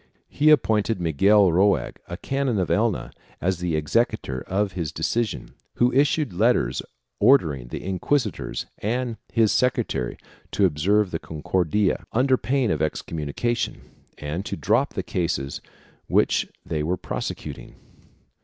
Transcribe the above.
He appointed Miguel Roig, a canon of Elna, as the executor of his decision, who issued letters ordering the inquisitor and his secretary to observe the Concordia, under pain of excommunication, and to drop the cases which they were prose cuting.